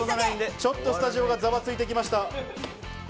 ちょっとスタジオがざわついてきました。